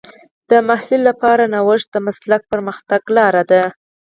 د محصل لپاره نوښت د مسلک پرمختګ ته لار ده.